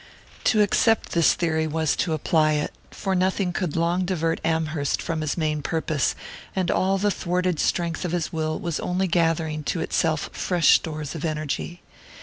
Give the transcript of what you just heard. To accept this theory was to apply it; for nothing could long divert Amherst from his main purpose, and all the thwarted strength of his will was only gathering to itself fresh stores of energy.